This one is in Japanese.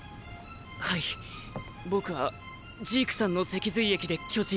はい僕はジークさんの脊髄液で巨人になりました。